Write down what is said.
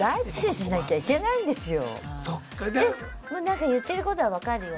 なんか言ってることは分かるよ。